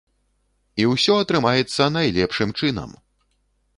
І ўсё атрымаецца найлепшым чынам!